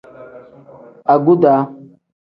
Aguda.